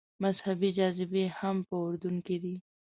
مذهبي جاذبې هم په اردن کې دي.